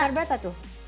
sekitar berapa tuh